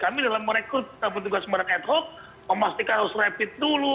kami dalam merekrut kita bertugas sembarang ad hoc memastikan harus rapid dulu